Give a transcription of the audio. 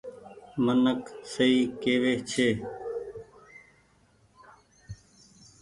منک سئي ڪيوي ڇي۔